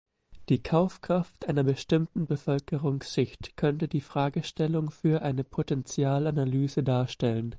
Die Kaufkraft einer bestimmten Bevölkerungsschicht könnte die Fragestellung für eine Potenzialanalyse darstellen.